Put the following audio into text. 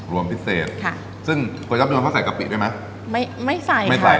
รวมพิเศษค่ะซึ่งก๋วยจับรวมเขาใส่กะปิได้ไหมไม่ไม่ใส่ไม่ใส่